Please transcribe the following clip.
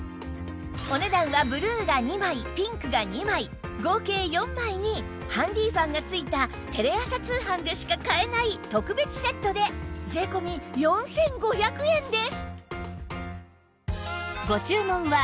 お値段はブルーが２枚ピンクが２枚合計４枚にハンディーファンが付いたテレ朝通販でしか買えない特別セットで税込４５００円です